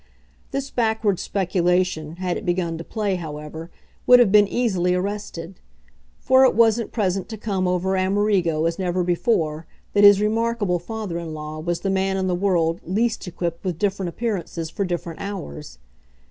This backward speculation, had it begun to play, however, would have been easily arrested; for it was at present to come over Amerigo as never before that his remarkable father in law was the man in the world least equipped with different appearances for different hours.